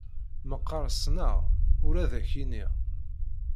Meqqar ssneɣ, ur ad ak-iniɣ.